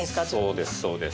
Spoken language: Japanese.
そうですそうです。